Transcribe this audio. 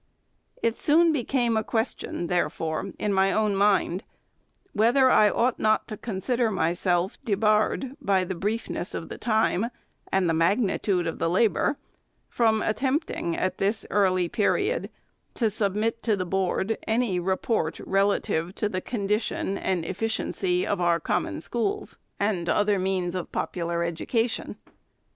It soon became a question, there fore, in my own mind, whether I ought not to consider myself debarred, by the briefness of the time, and the magnitude of the labor, from attempting, at this early period, to submit to the Board any report, relative to the " condition and efficiency of our Common Schools and other means of popular education."